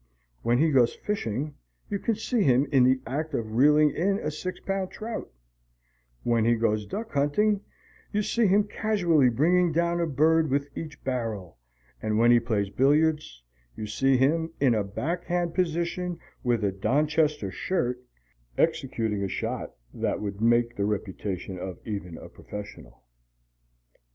When he goes fishing, you see him in the act of reeling in a six pound trout; when he goes duck hunting, you see him casually bringing down a bird with each barrel; and when he plays billiards, you see him, in a backhand position and a Donchester shirt, executing a shot that would make the reputation of even a professional.